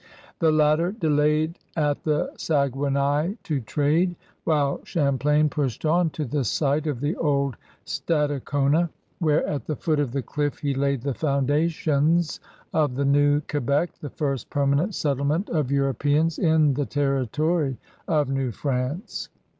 The latter delayed at the Saguenay to trade, while Champlain pushed on to the site of the old Stadacona, where at the foot of the cliff he laid the foundations of the new Quebec, the first permanent settlement of 40 CRUSADERS OF NEW PRANCE Europeans in the territory of New France.